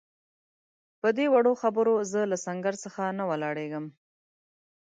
پدې وړو خبرو زه له سنګر څخه نه ولاړېږم.